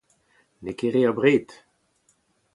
N'eo ket re abred.